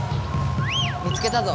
見つけたぞ！